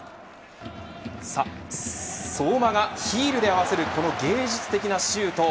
相馬がヒールで合わせるこの芸術的なシュート。